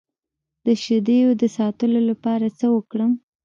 د شیدو د ساتلو لپاره څه وکړم؟